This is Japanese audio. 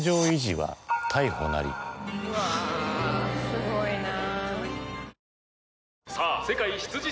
うわすごいな。